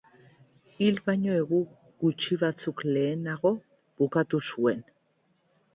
Hil baino egun gutxi batzuk lehenago bukatu zuen.